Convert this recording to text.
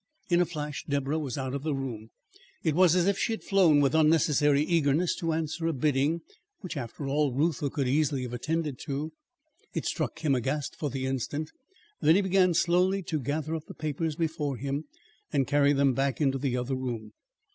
In a flash Deborah was out of the room. It was as if she had flown with unnecessary eagerness to answer a bidding which, after all, Reuther could easily have attended to. It struck him aghast for the instant, then he began slowly to gather up the papers before him and carry them back into the other room.